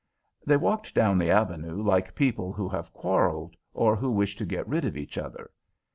They walked down the Avenue like people who have quarrelled, or who wish to get rid of each other.